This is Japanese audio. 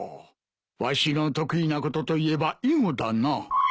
わしの得意なことといえば囲碁だな。